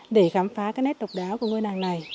để khám phá cái nét độc đáo của ngôi làng này